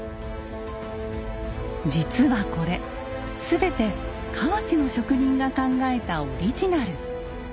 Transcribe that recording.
実はこれ全て河内の職人が考えたオリジナル。